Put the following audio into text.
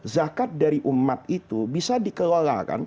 zakat dari umat itu bisa dikelola kan